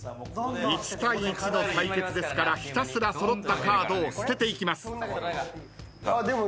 １対１の対決ですからひたすら揃ったカードを捨てていきます。